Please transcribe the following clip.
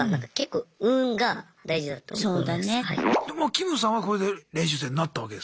キムさんはこれで練習生になったわけですか。